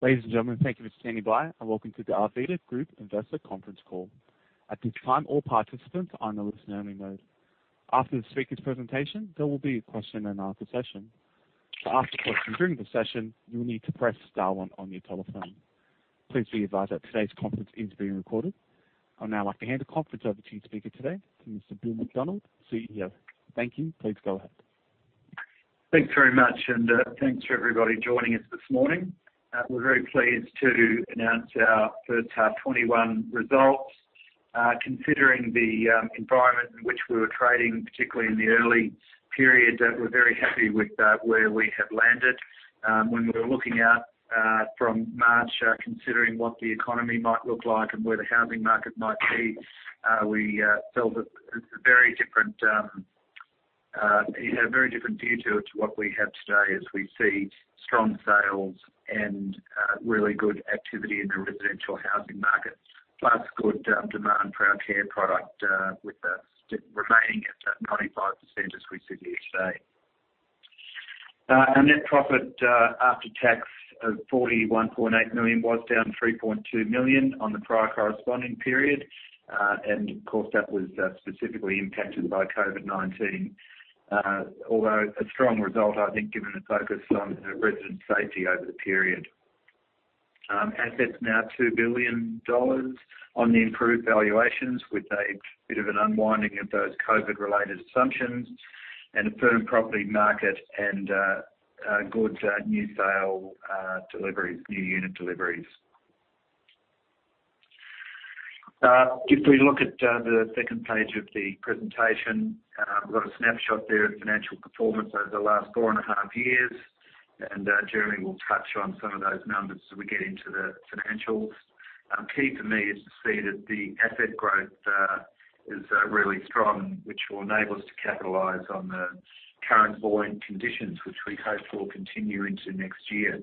Ladies and gentlemen, thank you for standing by. Welcome to the Arvida Group Investor Conference Call. At this time, all participants are on a listen only mode. After the speaker's presentation, there will be a question and answer session. To ask a question during the session, you will need to press star one on your telephone. Please be advised that today's conference is being recorded. I would now like to hand the conference over to your speaker today, to Mr. Bill McDonald, CEO. Thank you. Please go ahead. Thanks very much, thanks for everybody joining us this morning. We're very pleased to announce our H1 2021 results. Considering the environment in which we were trading, particularly in the early period, that we're very happy with where we have landed. When we were looking out from March considering what the economy might look like and where the housing market might be, we felt it's a very different view to what we have today as we see strong sales and really good activity in the residential housing market, plus good demand for our care product, with that remaining at 25% as we sit here today. Our net profit after tax of 41.8 million was down 3.2 million on the prior corresponding period. Of course, that was specifically impacted by COVID-19. Although, a strong result, I think, given the focus on resident safety over the period. Assets now 2 billion dollars on the improved valuations, with a bit of an unwinding of those COVID-related assumptions, and a firm property market and good new unit deliveries. If we look at the second page of the presentation, we've got a snapshot there of financial performance over the last four and a half years, and Jeremy will touch on some of those numbers as we get into the financials. Key for me is to see that the asset growth is really strong, which will enable us to capitalize on the current buoyant conditions which we hope will continue into next year.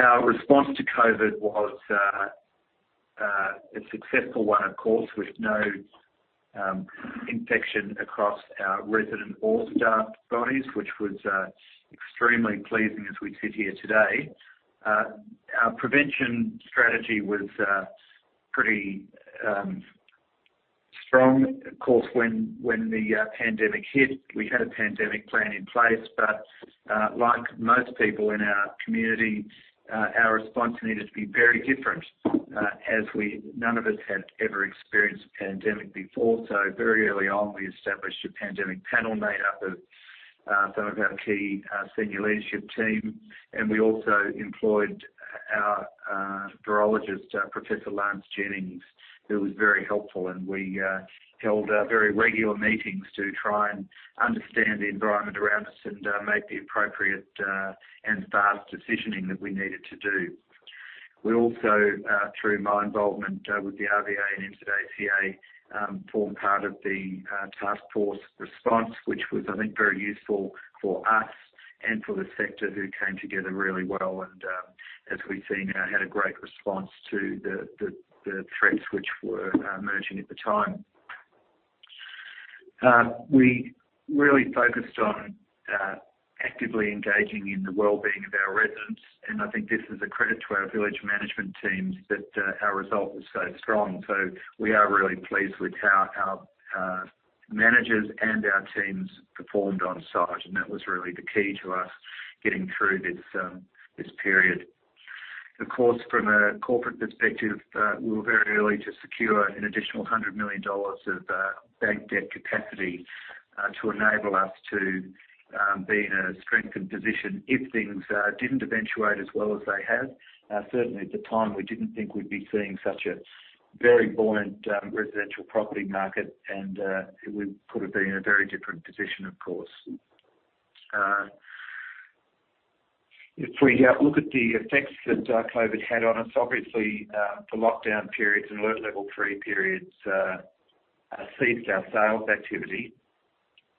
Our response to COVID was a successful one, of course, with no infection across our resident or staff bodies, which was extremely pleasing as we sit here today. Our prevention strategy was pretty strong. Of course, when the pandemic hit, we had a pandemic plan in place. Like most people in our community, our response needed to be very different as none of us had ever experienced a pandemic before. Very early on, we established a pandemic panel made up of some of our key senior leadership team, and we also employed our virologist, Professor Lance Jennings, who was very helpful. We held very regular meetings to try and understand the environment around us and make the appropriate and fast decisioning that we needed to do. We also, through my involvement with the RVA and NZACA, formed part of the task force response, which was, I think, very useful for us and for the sector who came together really well and as we've seen, had a great response to the threats which were emerging at the time. We really focused on actively engaging in the well-being of our residents. I think this is a credit to our village management teams that our result was so strong. We are really pleased with how our managers and our teams performed on site, and that was really the key to us getting through this period. Of course, from a corporate perspective, we were very early to secure an additional 100 million dollars of bank debt capacity to enable us to be in a strengthened position if things didn't eventuate as well as they have. Certainly at the time, we didn't think we'd be seeing such a very buoyant residential property market, and we could have been in a very different position, of course. If we look at the effects that COVID had on us, obviously, the lockdown periods and alert level III periods ceased our sales activity.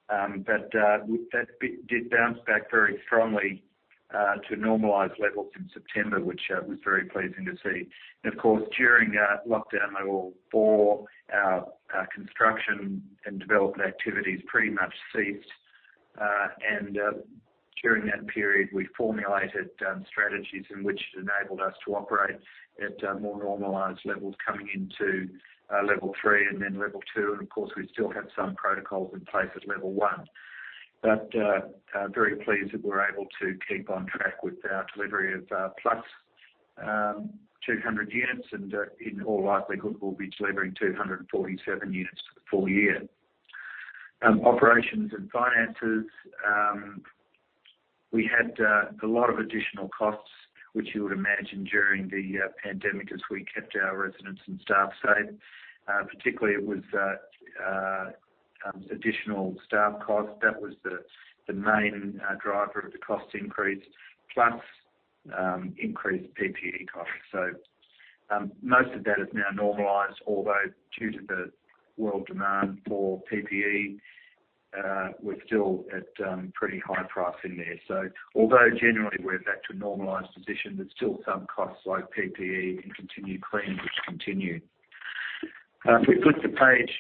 That did bounce back very strongly to normalized levels in September, which was very pleasing to see. Of course, during lockdown level IV, our construction and development activities pretty much ceased. During that period we formulated strategies in which it enabled us to operate at more normalized levels coming into level III and then level II. Of course, we still have some protocols in place at level I. Very pleased that we're able to keep on track with our delivery of +200 units, and in all likelihood, we'll be delivering 247 units for the full year. Operations and finances. We had a lot of additional costs, which you would imagine during the pandemic as we kept our residents and staff safe. Particularly it was additional staff cost. That was the main driver of the cost increase, plus increased PPE costs. Most of that is now normalized, although due to the world demand for PPE, we're still at pretty high pricing there. Although generally we're back to a normalized position, there's still some costs like PPE and continued cleaning which continue. If we flip the page,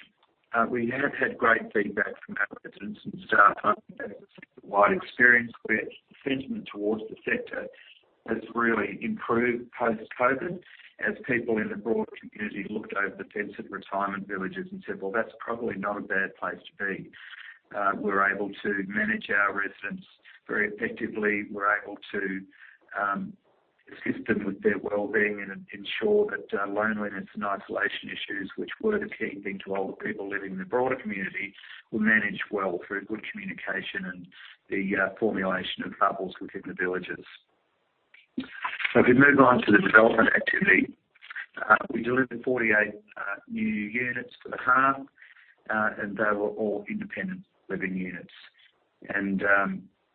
we have had great feedback from our residents and staff. I think that is a sector-wide experience, but sentiment towards the sector has really improved post-COVID as people in the broader community looked over the fence at retirement villages and said, "Well, that's probably not a bad place to be." We're able to manage our residents very effectively. We're able to assist them with their wellbeing and ensure that loneliness and isolation issues, which were the key thing to older people living in the broader community, were managed well through good communication and the formulation of bubbles within the villages. If we move on to the development activity, we delivered 48 new units for the half, and they were all independent living units.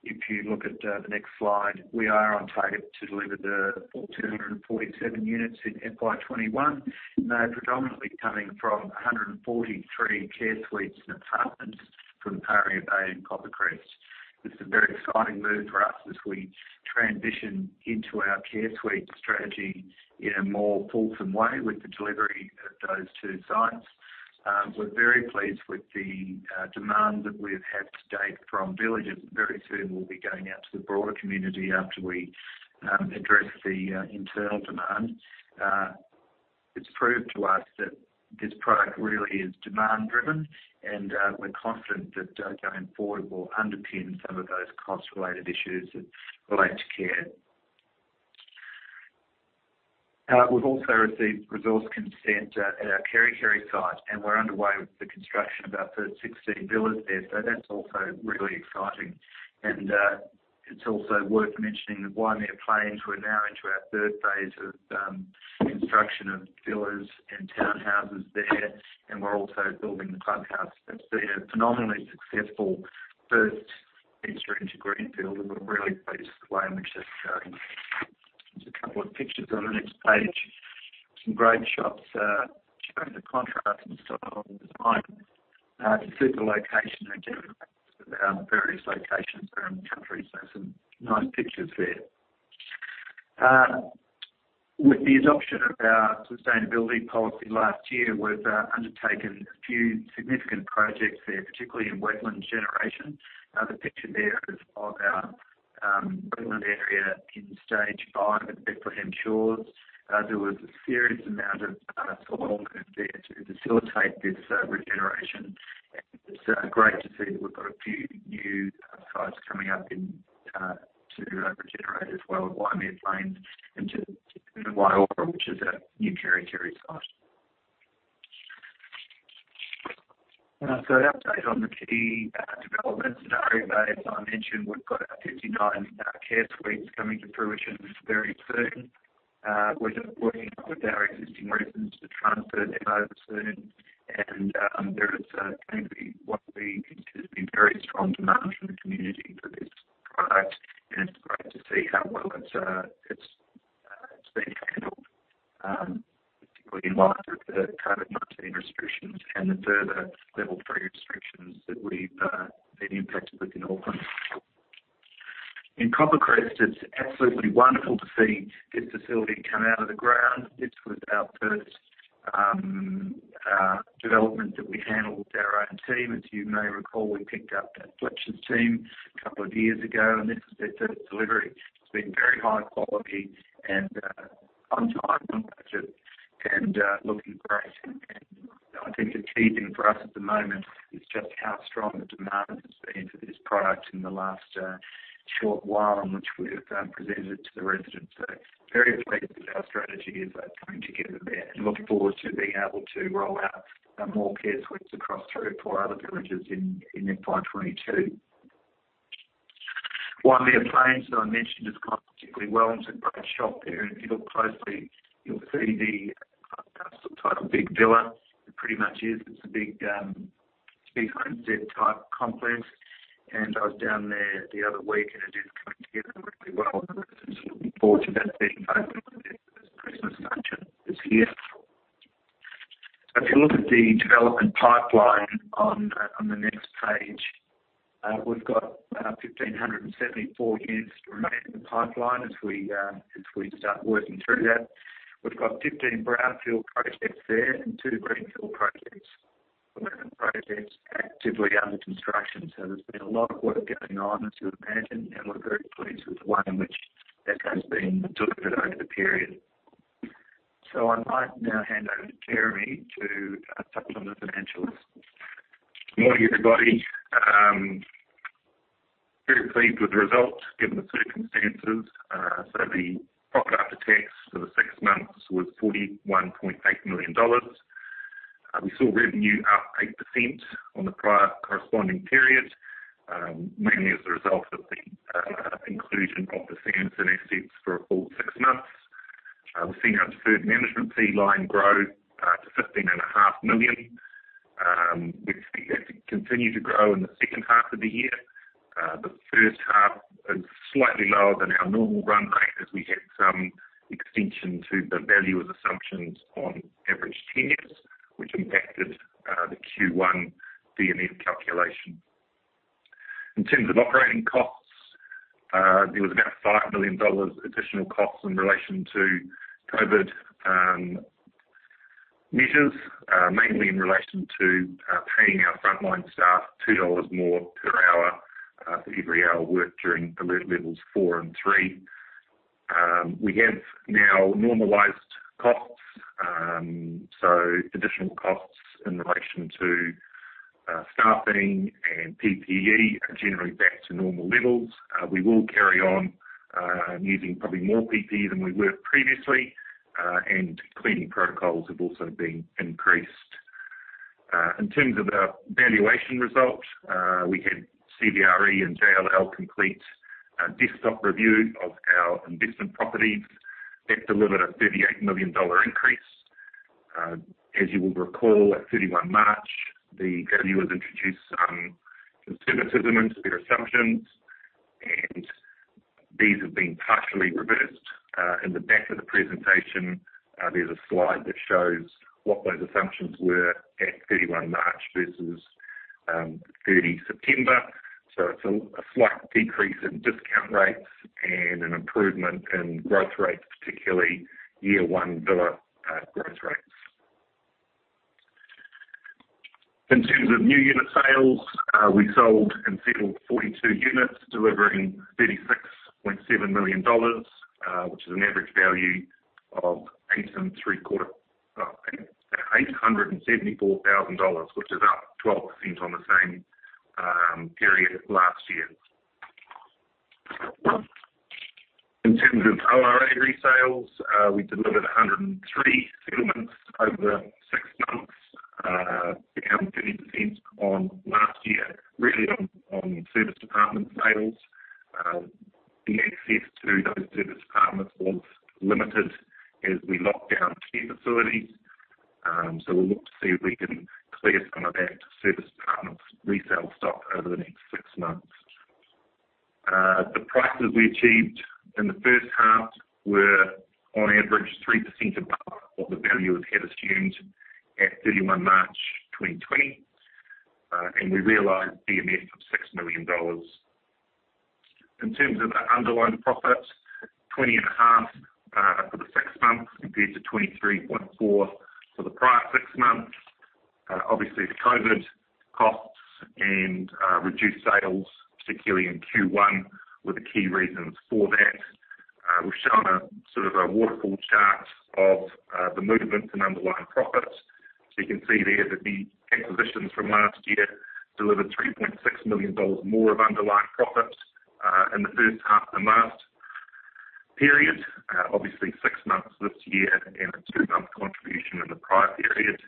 If you look at the next slide, we are on target to deliver the 247 units in FY 2021, predominantly coming from 143 care suites and apartments from Aria Bay and Copper Crest. This is a very exciting move for us as we transition into our care suite strategy in a more fulsome way with the delivery of those two sites. We're very pleased with the demand that we've had to date from villages. Very soon, we'll be going out to the broader community after we address the internal demand. It's proved to us that this product really is demand-driven, and we're confident that going forward, we'll underpin some of those cost-related issues that relate to care. We've also received resource consent at our Kerikeri, and we're underway with the construction of our first 16 villas there. That's also really exciting. It's also worth mentioning that Waimea Plains, we're now into our third phase of construction of villas and townhouses there, and we're also building the clubhouse. That's been a phenomenally successful first entry into Greenfield, and we're really pleased with the way in which that's going. There's a couple of pictures on the next page. Some great shots showing the contrast in style and design. It's a super location and general practice of our various locations around the country, so some nice pictures there. With the adoption of our sustainability policy last year, we've undertaken a few significant projects there, particularly in wetland generation. The picture there is of our wetland area in stage 5 at Bethlehem Shores. There was a serious amount of soil going there to facilitate this regeneration. It's great to see that we've got a few new sites coming up to regenerate as well in Waimea Plains and Te Puna Waiora, which is our new Kerikeri site. An update on the key developments at Aria Bay. As I mentioned, we've got 59 care suites coming to fruition very soon. We're working with our existing residents to transfer them over soon, and there is going to be what we consider to be very strong demand from the community for this product. It's great to see how well it's been handled, particularly in light of the COVID-19 restrictions and the further level III restrictions that we've been impacted with in Auckland. In Copper Crest, it's absolutely wonderful to see this facility come out of the ground. This was our first development that we handled with our own team. As you may recall, we picked up Fletcher's team a couple of years ago, and this is their first delivery. It's been very high quality and on time, on budget, and looking great. I think the key thing for us at the moment is just how strong the demand has been for this product in the last short while in which we have presented it to the residents. Very pleased that our strategy is coming together there and looking forward to being able to roll out more care suites across three or four other villages in FY 2022. Waimea Plains, as I mentioned, is coming particularly well. It's a great shot there, and if you look closely, you'll see the sort of title big villa. It pretty much is. It's a big homestead-type complex. I was down there the other week, and it is coming together really well. The residents are looking forward to that being open for their first Christmas function this year. If you look at the development pipeline on the next page, we've got 1,574 units remaining in the pipeline as we start working through that. We've got 15 brownfield projects there and two greenfield projects. 11 projects actively under construction. There's been a lot of work going on, as you'd imagine, and we're very pleased with the way in which that has been delivered over the period. I might now hand over to Jeremy to touch on the financials. Morning, everybody. Very pleased with the results, given the circumstances. The profit after tax for the six months was 41.8 million dollars. We saw revenue up 8% on the prior corresponding period, mainly as a result of the inclusion of the Sanderson assets for a full six months. We've seen our deferred management fee line grow to 15 and a half million. We expect that to continue to grow in the second half of the year. The first half is slightly lower than our normal run rate as we had some extension to the value of assumptions on average tenures, which impacted the Q1 DMF calculation. In terms of operating costs, there was about NZD 5 million additional costs in relation to COVID measures. Mainly in relation to paying our frontline staff NZD 2 more per hour for every hour worked during alert levels IV and III. We have now normalized costs. Additional costs in relation to staffing and PPE are generally back to normal levels. We will carry on using probably more PPE than we were previously. Cleaning protocols have also been increased. In terms of our valuation results, we had CBRE and JLL complete a desktop review of our investment properties. That delivered a 38 million dollar increase. As you will recall, at March 31, the valuers introduced some conservatism into their assumptions. These have been partially reversed. In the back of the presentation, there's a slide that shows what those assumptions were at March 31 versus September 30. It's a slight decrease in discount rates and an improvement in growth rates, particularly year one DIRA growth rates. In terms of new unit sales, we sold and settled 42 units, delivering 36.7 million dollars, which is an average value of 874,000 dollars, which is up 12% on the same period last year. In terms of ORA resales, we delivered 103 settlements over six months, down 30% on last year, really on serviced apartment sales. The access to those serviced apartments was limited as we locked down 10 facilities. We'll look to see if we can clear some of that serviced apartment resale stock over the next six months. The prices we achieved in the first half were on average 3% above what the valuers had assumed at 31 March 2020. We realized DMFs of 6 million dollars. In terms of our underlying profit, 20.5 for the six months compared to 23.4 for the prior six months. Obviously, the COVID costs and reduced sales, particularly in Q1, were the key reasons for that. We've shown a sort of a waterfall chart of the movement in underlying profit. You can see there that the acquisitions from last year delivered 3.6 million dollars more of underlying profit in the first half of last period. Obviously, six months this year and a two-month contribution in the prior period.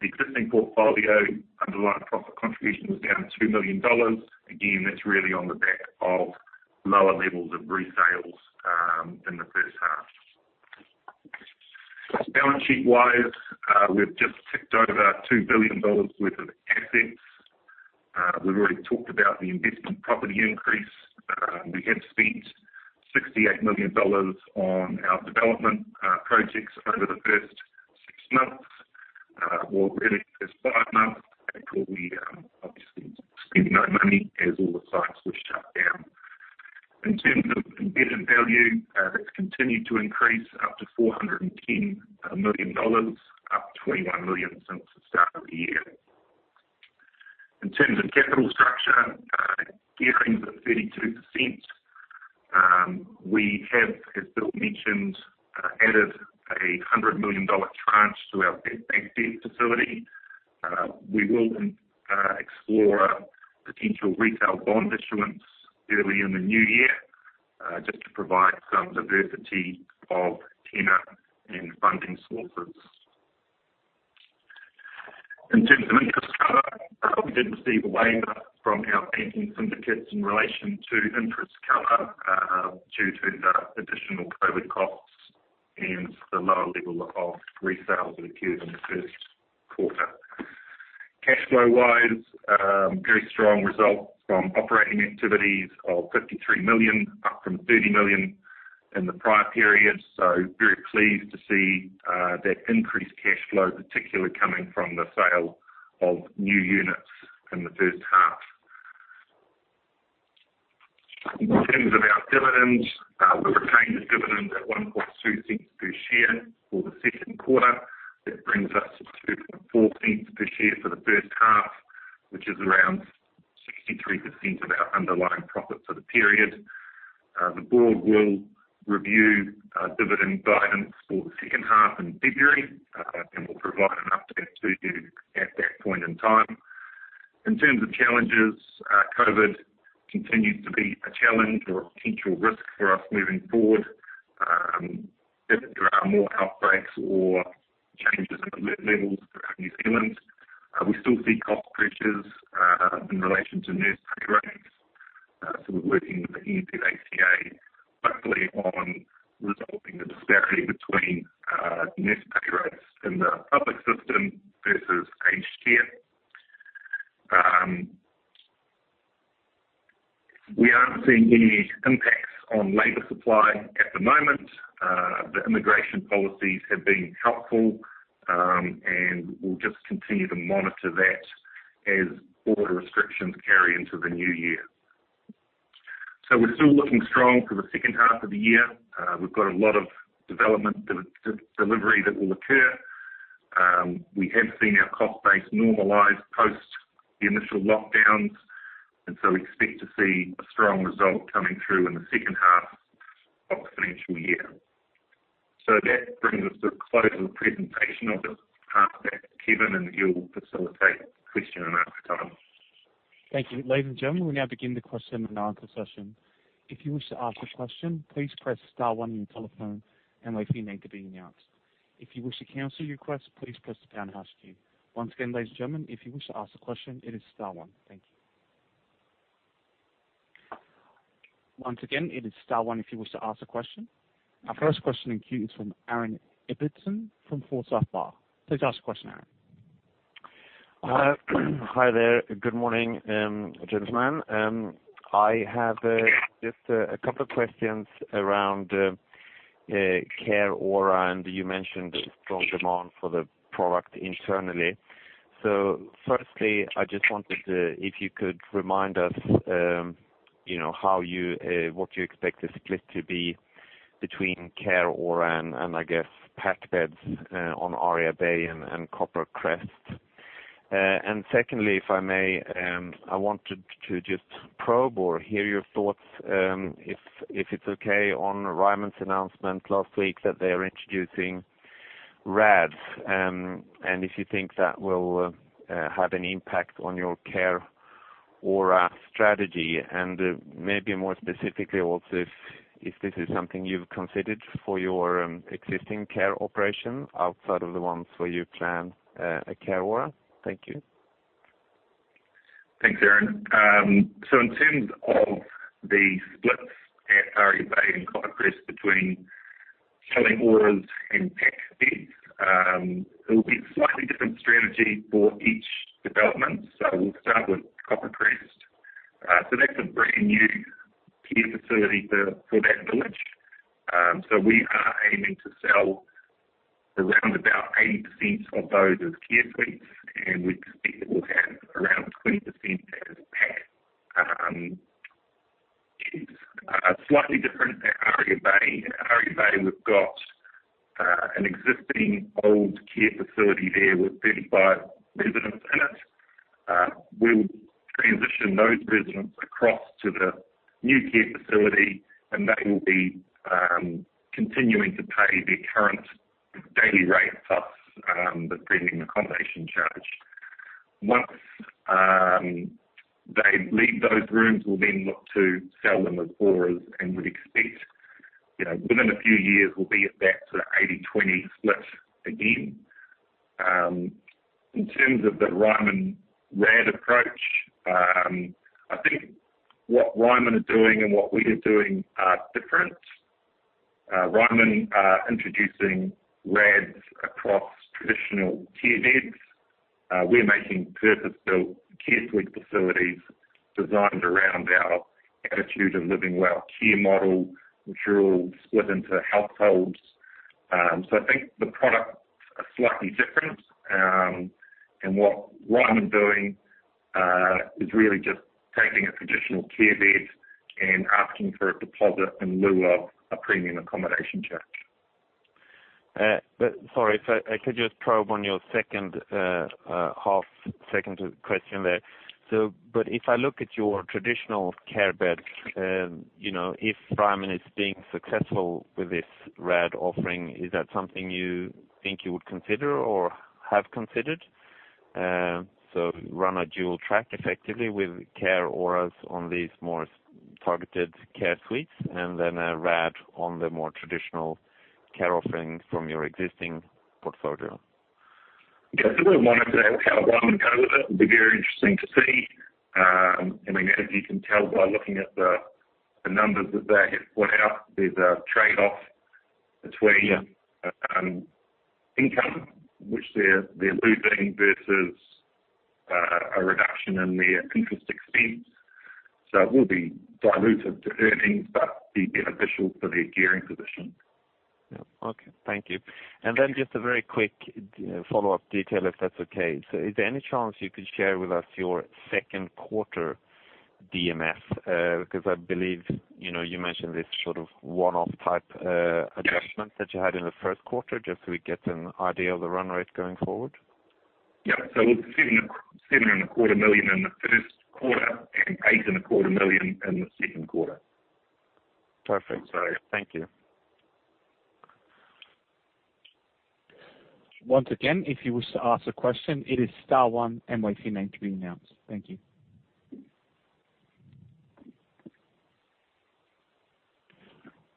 The existing portfolio underlying profit contribution was down 2 million dollars. Again, that's really on the back of lower levels of resales in the first half. Balance sheet-wise, we've just ticked over 2 billion dollars worth of assets. We've already talked about the investment property increase. We have spent 68 million dollars on our development projects over the first six months, or really the first five months after we obviously spent no money as all the sites were shut down. In terms of embedded value, that's continued to increase up to 410 million dollars, up 21 million since the start of the year. In terms of capital structure, gearing's at 32%. We have, as Bill mentioned, added a 100 million dollar tranche to our bank debt facility. We will explore potential retail bond issuance early in the new year just to provide some diversity of tenor and funding sources. In terms of interest cover, we did receive a waiver from our banking syndicates in relation to interest cover due to the additional COVID costs and the lower level of resales that occurred in the first quarter. Cash flow-wise, very strong results from operating activities of 53 million, up from 30 million in the prior period. Very pleased to see that increased cash flow, particularly coming from the sale of new units in the first half. In terms of our dividends, we retained the dividend at 0.012 per share for the second quarter. That brings us to 0.024 per share for the first half, which is around 63% of our underlying profit for the period. The board will review dividend guidance for the second half in February, and we'll provide an update to you at that point in time. In terms of challenges, COVID continues to be a challenge or a potential risk for us moving forward if there are more outbreaks or changes in alert levels throughout New Zealand. We still see cost pressures in relation to nurse pay rates. We're working with the NZACA, hopefully, on resolving the disparity between nurse pay rates in the public system versus HCF. We aren't seeing any impacts on labor supply at the moment. The immigration policies have been helpful, and we'll just continue to monitor that as border restrictions carry into the new year. We're still looking strong for the second half of the year. We've got a lot of development delivery that will occur. We have seen our cost base normalize post the initial lockdowns, and so we expect to see a strong result coming through in the second half of the financial year. That brings us to a close of the presentation. I'll just pass back to Kevin, and he'll facilitate the question and answer time. Thank you. Ladies and gentlemen, we now begin the question and answer session. If you wish to ask a question, please press star one on your telephone and wait for your name to be announced. If you wish to cancel your request, please press the pound key. Once again, ladies and gentlemen, if you wish to ask a question, it is star one. Thank you. Once again, it is star one if you wish to ask a question. Our first question in queue is from Aaron Ibbotson from Forsyth Barr. Please ask your question, Aaron. Hi there. Good morning, gentlemen. I have just a couple of questions around Care ORA. You mentioned strong demand for the product internally. Firstly, I just wanted to, if you could remind us what you expect the split to be between Care ORA and, I guess, PAC beds on Aria Bay and Copper Crest. Secondly, if I may, I wanted to just probe or hear your thoughts, if it's okay, on Ryman's announcement last week that they are introducing RADs. If you think that will have an impact on your Care ORA strategy and maybe more specifically, also if this is something you've considered for your existing care operation outside of the ones where you plan a Care ORA? Thank you. Thanks, Aaron. In terms of the splits at Aria Bay and Copper Crest between selling ORAs and PAC beds, it will be a slightly different strategy for each development. We'll start with Copper Crest. That's a brand-new care facility for that village. We are aiming to sell around about 80% of those as care suites, and we expect we'll have around 20% as PAC beds. Slightly different at Aria Bay. At Aria Bay, we've got an existing old care facility there with 35 residents in it. We'll transition those residents across to the new care facility, and they will be continuing to pay their current daily rate plus the premium accommodation charge. Once they leave those rooms, we'll then look to sell them as ORAs and would expect within a few years, we'll be at that sort of 80/20 split again. In terms of the Ryman RAD approach, I think what Ryman are doing and what we are doing are different. Ryman are introducing RADs across traditional care beds. We're making purpose-built care suite facilities designed around our Attitude of Living Well care model, which are all split into households. I think the products are slightly different. What Ryman are doing is really just taking a traditional care bed and asking for a deposit in lieu of a premium accommodation charge. Sorry, could you just probe on your second half, second question there. If I look at your traditional care bed, if Ryman is being successful with this RAD offering, is that something you think you would consider or have considered? Run a dual track effectively with Care ORAs on these more targeted care suites and then a RAD on the more traditional care offering from your existing portfolio. Yes, we will monitor how Ryman go with it. It will be very interesting to see. As you can tell by looking at the numbers that they have put out, there's a trade-off between income, which they're losing versus a reduction in their interest expense. It will be diluted to earnings, but be beneficial for their gearing position. Yep. Okay. Thank you. Just a very quick follow-up detail, if that's okay. Is there any chance you could share with us your second quarter DMF? I believe you mentioned this sort of one-off type adjustment that you had in the first quarter, just so we get an idea of the run rate going forward. Yep. It was 7.25 million in the first quarter and 8.25 million in the second quarter. Perfect. Thank you. Once again, if you wish to ask a question, it is star one and wait for your name to be announced. Thank you.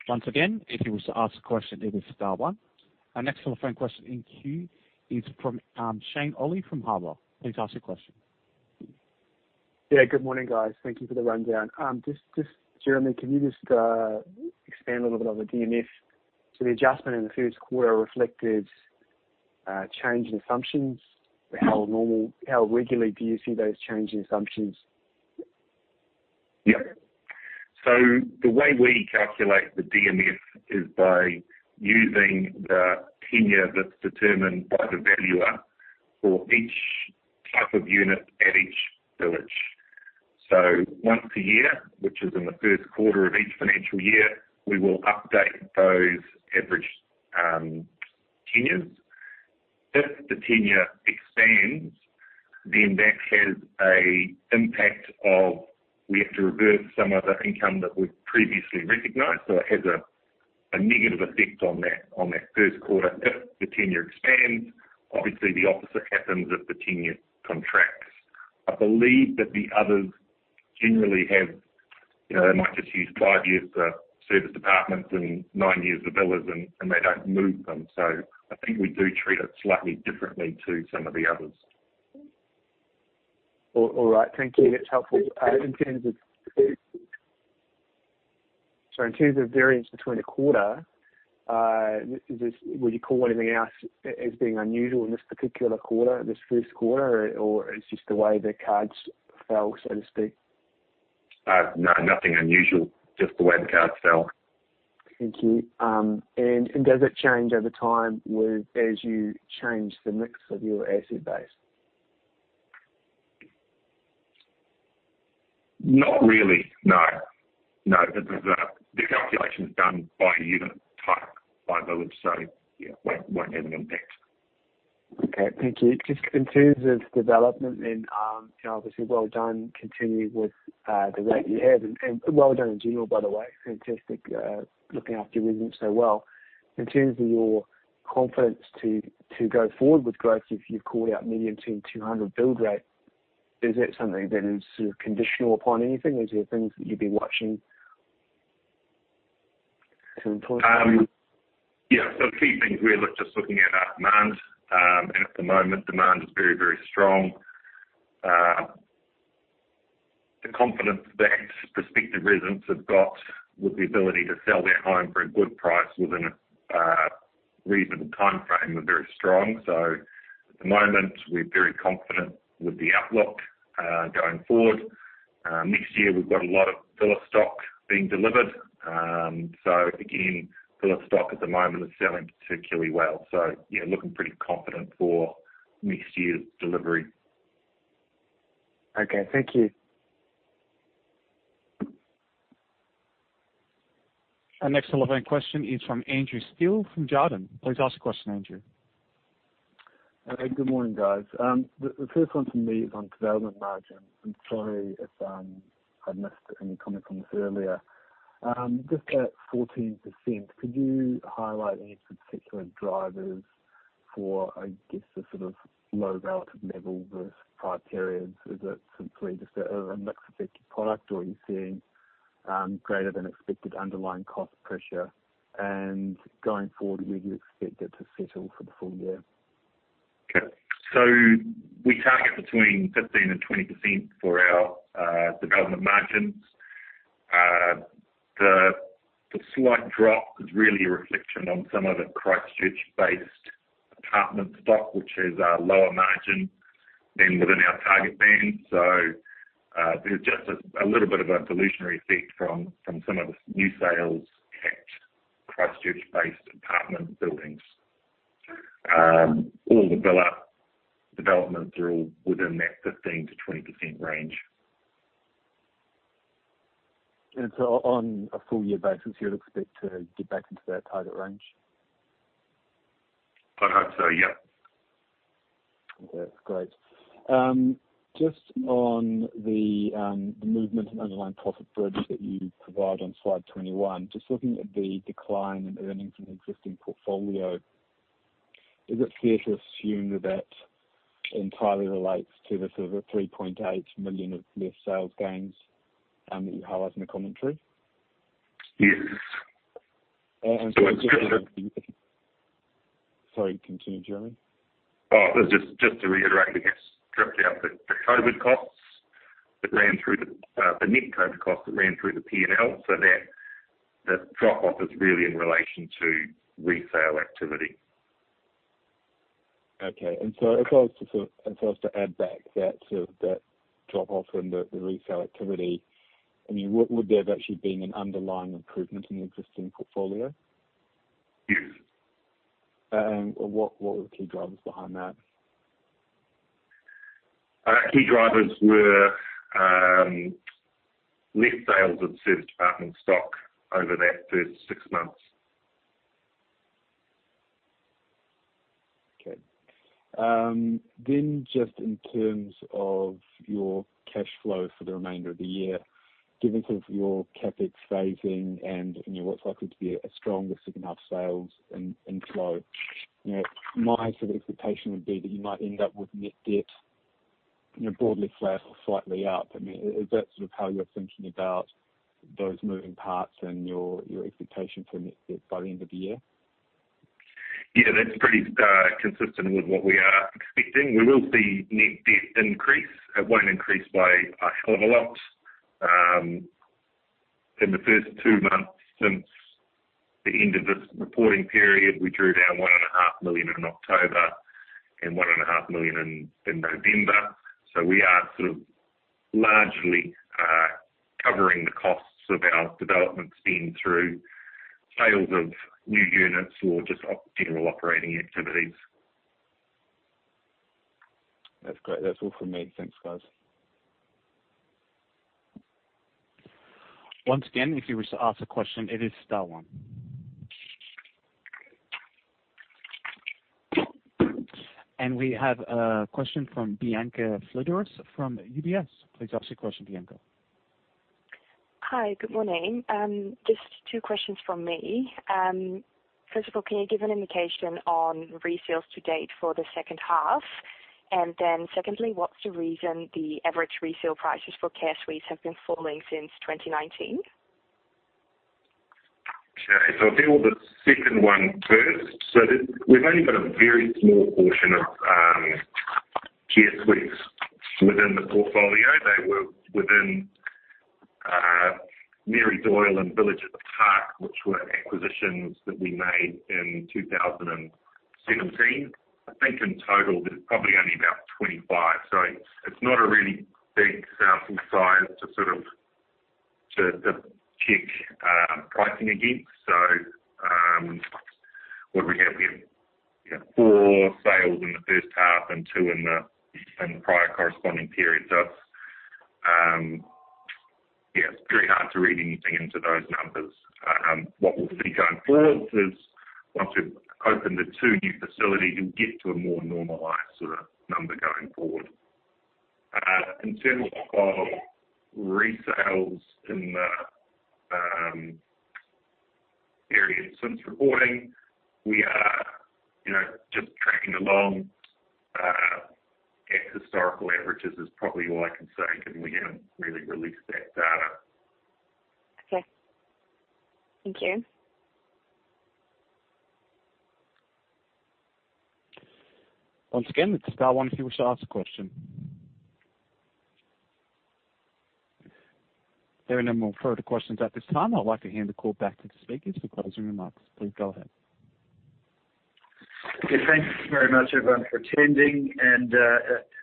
Once again, if you wish to ask a question, it is star one. Our next telephone question in queue is from Shane Solly from Harbour. Please ask your question. Good morning, guys. Thank you for the rundown. Jeremy, can you expand a little bit on the DMF? The adjustment in the first quarter reflected change in assumptions, how regularly do you see those change in assumptions? Yep. The way we calculate the DMF is by using the tenure that's determined by the valuer for each type of unit at each village. Once a year, which is in the first quarter of each financial year, we will update those average tenures. If the tenure expands, then that has an impact of we have to reverse some of the income that we've previously recognized. It has a negative effect on that first quarter if the tenure expands. Obviously, the opposite happens if the tenure contracts. I believe that the others generally have, they might just use five years for serviced apartments and nine years for villas, and they don't move them. I think we do treat it slightly differently to some of the others. All right. Thank you. That's helpful. In terms of variance between a quarter, would you call anything else as being unusual in this particular quarter, this first quarter, or it's just the way the cards fell, so to speak? No, nothing unusual, just the way the cards fell. Thank you. Does it change over time as you change the mix of your asset base? Not really, no. The calculation is done by unit type, by village, yeah, won't have an impact. Thank you. Just in terms of development and obviously, well done, continue with the rate you have. Well done in general, by the way, fantastic looking after your business so well. In terms of your confidence to go forward with growth, you've called out medium term 200 build rate. Is that something that is conditional upon anything? Is there things that you'd be watching carefully? Yeah. Key things, we are just looking at are demand. At the moment, demand is very, very strong. The confidence that prospective residents have got with the ability to sell their home for a good price within a reasonable timeframe are very strong. At the moment, we're very confident with the outlook going forward. Next year, we've got a lot of villa stock being delivered. Again, villa stock at the moment is selling particularly well, so yeah, looking pretty confident for next year's delivery. Okay. Thank you. Our next relevant question is from Andrew Steele of Jarden. Please ask the question, Andrew. Good morning, guys. The first one from me is on development margin. I'm sorry if I missed any comment on this earlier. Just at 14%, could you highlight any particular drivers for, I guess, the sort of low relative level versus prior periods? Is it simply just a mix effect of product or are you seeing greater than expected underlying cost pressure? Going forward, where do you expect it to settle for the full year? Okay. We target between 15% and 20% for our development margins. The slight drop is really a reflection on some of the Christchurch-based apartment stock which is lower margin than within our target band. There's just a little bit of a dilutionary effect from some of the new sales at Christchurch-based apartment buildings. All the villa developments are all within that 15%-20% range. On a full year basis, you'd expect to get back into that target range? I hope so, yep. Okay. Great. Just on the movement in underlying profit bridge that you provide on slide 21, just looking at the decline in earnings from the existing portfolio, is it fair to assume that that entirely relates to the sort of 3.8 million of less sales gains that you highlight in the commentary? Yes. And so. So it's. Sorry, continue, Jeremy. Just to reiterate, we have stripped out the net COVID costs that ran through the P&L, so that drop off is really in relation to resale activity. Okay. If I was to add back that drop off in the resale activity, would there have actually been an underlying improvement in the existing portfolio? Yes. What were the key drivers behind that? Key drivers were less sales of serviced apartment stock over that first six months. Okay. Just in terms of your cash flow for the remainder of the year, given sort of your CapEx phasing and what's likely to be a stronger second half sales inflow, my sort of expectation would be that you might end up with net debt broadly flat or slightly up. Is that sort of how you're thinking about those moving parts and your expectation for net debt by the end of the year? Yeah, that's pretty consistent with what we are expecting. We will see net debt increase. It won't increase by a hell of a lot. In the first two months since the end of this reporting period, we drew down 1.5 million in October and 1.5 million in November. We are largely covering the costs of our development spend through sales of new units or just general operating activities. That's great. That's all from me. Thanks, guys. Once again, if you wish to ask a question, it is star one. We have a question from Bianca Fledderus from UBS. Please ask your question, Bianca. Hi, good morning. Just two questions from me. First of all, can you give an indication on resales to date for the second half? Secondly, what's the reason the average resale prices for care suites have been falling since 2019? Okay. I'll deal with the second one first. We've only got a very small portion of care suites within the portfolio. They were within Mary Doyle and Village at the Park, which were acquisitions that we made in 2017. I think in total, there's probably only about 25. It's not a really big sample size to check pricing against. What do we have? We have four sales in the first half and two in the prior corresponding period. It's very hard to read anything into those numbers. What we'll see going forward is once we've opened the two new facilities, we'll get to a more normalized number going forward. In terms of resales in the period since reporting, we are just tracking along at historical averages is probably all I can say, because we haven't really released that data. Okay. Thank you. Once again, it is star one if you wish to ask a question. There are no more further questions at this time. I'd like to hand the call back to the speakers for closing remarks. Please go ahead. Okay. Thank you very much, everyone, for attending.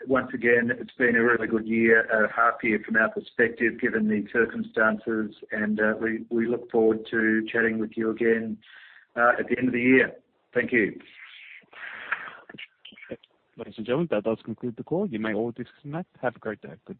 Once again, it's been a really good year, half year from our perspective, given the circumstances, and we look forward to chatting with you again, at the end of the year. Thank you. Ladies and gentlemen, that does conclude the call. You may all disconnect. Have a great day. Good day.